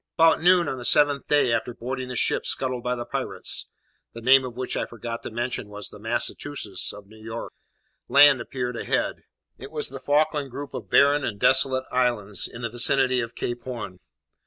About noon on the seventh day after boarding the ship scuttled by the pirates (the name of which I forgot to mention was the Massachusetts, of New York), land appeared ahead. It was the Falkland group of barren and desolate islands in the vicinity of Cape Horn.